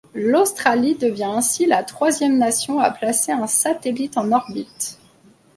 L'Australie devient ainsi la troisième nation à placer un satellite en orbite.